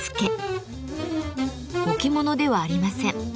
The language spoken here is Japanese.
置物ではありません。